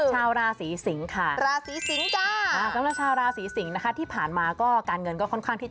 ชาวราศรีสิงฟ์